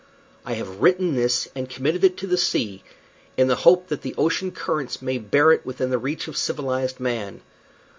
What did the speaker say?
I have written this and committed it to the sea, in the hope that the ocean currents may bear it within the reach of civilized man.